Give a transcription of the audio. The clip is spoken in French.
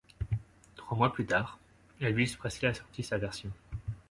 Trois mois plus tard, Elvis Presley a sorti sa version.